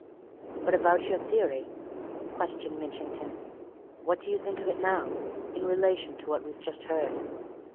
"But about your theory?" questioned Mitchington. "What do you think of it now in relation to what we've just heard?"